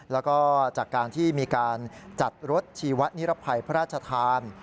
แล้วก็จากการที่มีการจัดรถชีวนิรภัยพระราชทาน